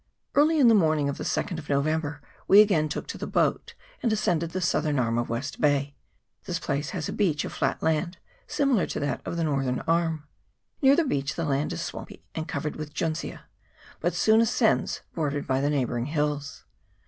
Early in the morning of the 2nd of November we again took to the boat, and ascended the southern arm of West Bay. This place has a beach of flat land, similar to that of the northern arm. Near the beach the land is swampy, and covered with juncese, but soon ascends, bordered by the neighbouring hills.